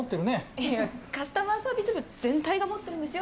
いやカスタマーサービス部全体が持ってるんですよ